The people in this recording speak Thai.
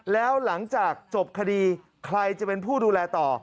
แล้วหลังจากจบคดีใครจะเป็นผู้ดูแลต่อ